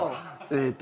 えーっと。